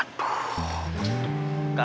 nanti kita cari